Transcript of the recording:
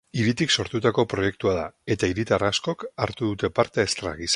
Hiritik sortutako proiektua da, eta hiritar askok hartu dute parte estra gisa.